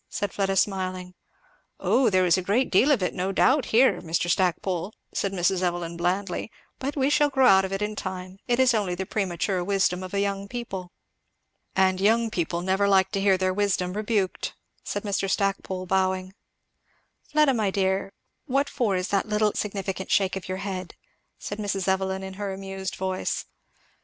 said Fleda smiling. "O there is a great deal of it, no doubt, here, Mr. Stackpole," said Mrs. Evelyn blandly; "but we shall grow out of it in time; it is only the premature wisdom of a young people." "And young people never like to hear their wisdom rebuked," said Mr Stackpole bowing. "Fleda, my dear, what for is that little significant shake of your head?" said Mrs. Evelyn in her amused voice.